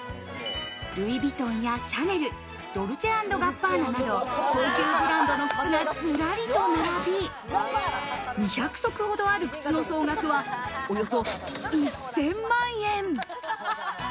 ルイ・ヴィトンやシャネル、ドルチェ＆ガッバーナなど高級ブランドの靴がずらりと並び、２００足ほどある靴の総額は、およそ１０００万円。